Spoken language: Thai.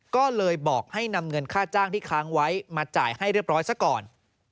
ก็เลยบอกให้นำเงินค่าจ้างที่ค้างไว้มาจ่ายให้เรียบร้อยซะก่อน